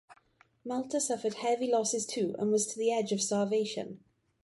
Malta suffered heavy losses too, and was to the edge of starvation.